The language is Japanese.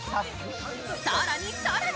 更に更に！